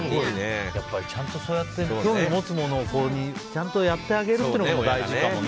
やっぱりちゃんとそうやって興味持つものをちゃんとやってあげるのが大事かもね。